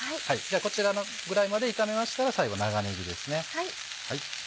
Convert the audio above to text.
こちらぐらいまで炒めましたら最後長ねぎです。